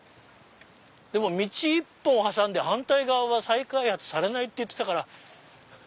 でも道一本挟んで反対側は再開発されないって言ってたから。